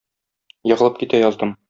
Егылып китә яздым.